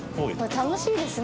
楽しいですね。